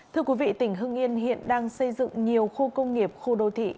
thưa quý vị tỉnh hưng yên hiện đang xây dựng nhiều khu công nghiệp khu đô thị